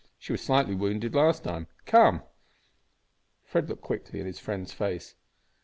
She was slightly wounded last time. Come!" Fred looked quickly in his friend's face.